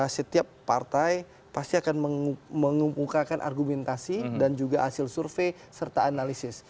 setiap partai pasti akan mengumumkakan argumentasi dan juga hasil survei serta analisis